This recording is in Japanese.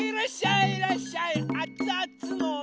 いらっしゃい！